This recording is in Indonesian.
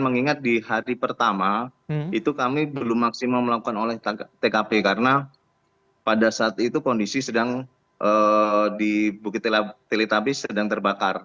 mengingat di hari pertama itu kami belum maksimal melakukan olah tkp karena pada saat itu kondisi sedang di bukit teletabis sedang terbakar